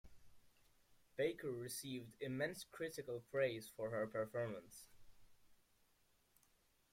Baker received immense critical praise for her performance.